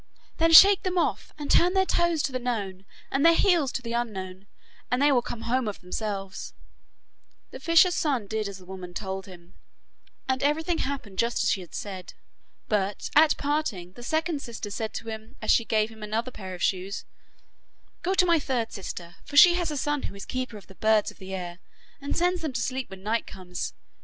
Then shake them off, and turn their toes to the known, and their heels to the unknown, and they will come home of themselves.' The fisher's son did as the woman told him, and everything happened just as she had said. But at parting the second sister said to him, as she gave him another pair of shoes: 'Go to my third sister, for she has a son who is keeper of the birds of the air, and sends them to sleep when night comes.